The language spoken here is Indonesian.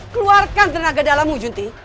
keluarkan tenaga dalammu junti